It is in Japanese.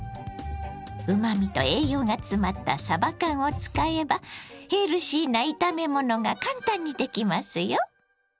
うまみと栄養が詰まったさば缶を使えばヘルシーな炒め物が簡単にできますよ！